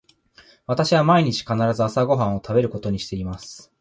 私は毎日必ず朝ご飯を食べることにしています。